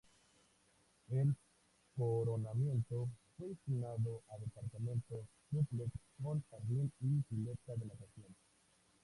El coronamiento fue destinado a departamentos dúplex con jardín y pileta de natación.